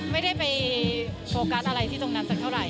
ไม่ได้ไปโฟกัสอะไรที่ตรงนั้นสักเท่าไห